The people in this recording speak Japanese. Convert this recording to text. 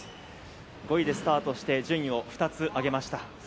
５位でスタートして順位を２つ上げました。